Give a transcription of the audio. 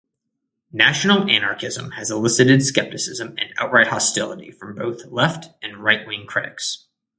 National-anarchism has elicited skepticism and outright hostility from both left- and right-wing critics.